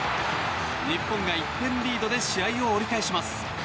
日本が１点リードで試合を折り返します。